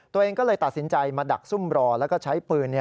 ตัวเองก็เลยตัดสินใจมาดักซุ่มรอแล้วก็ใช้ปืน